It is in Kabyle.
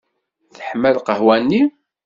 Teḥma lqahwa-nni?